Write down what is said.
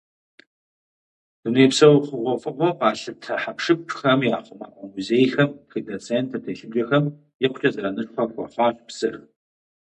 Дунейпсо хъугъуэфӀыгъуэу къалъытэ хьэпшыпхэм я хъумапӀэ музейхэм, тхыдэ центр телъыджэхэм икъукӀэ зэранышхуэ хуэхъуащ псыр.